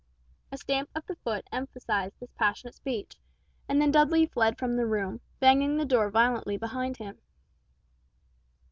A stamp of the foot emphasized this passionate speech, and then Dudley fled from the room, banging the door violently behind him.